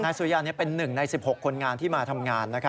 นายสุริยันทองสายเป็นหนึ่งใน๑๖คนงานที่มาทำงาน